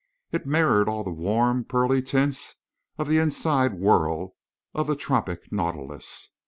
It mirrored all the warm, pearly tints of the inside whorl of the tropic nautilus.